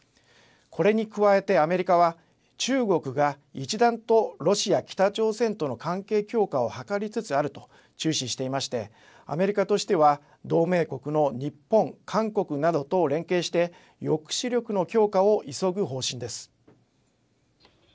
これに加えてアメリカは中国が一段とロシア、北朝鮮との関係強化を図りつつあると注視していましてアメリカとしては同盟国の日本、韓国などと連携して抑止力の強化を急ぐ方針です。